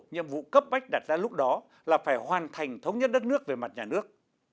nhiệm vụ cấp bách đặt ra lúc đó là phải hoàn thành thống nhất đất nước về mặt nhà nước